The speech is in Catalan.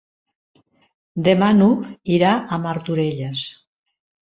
Demà n'Hug irà a Martorelles.